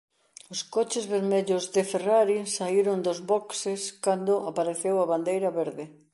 Os coches vermellos de Ferrari saíron dos boxes cando apareceu a bandeira verde.